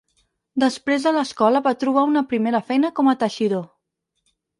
Després de l'escola va trobar una primera feina com a teixidor.